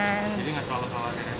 jadi nggak terlalu kalah ya